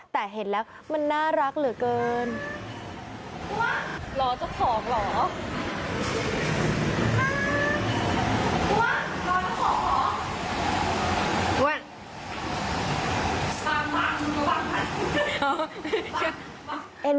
แต่เห็นแล้วมันน่ารักเหลือเกิน